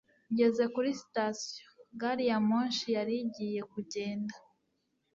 ngeze kuri sitasiyo, gari ya moshi yari igiye kugenda